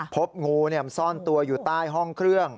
พบงูซ่อนตัวอยู่ใต้ห้องเครื่อง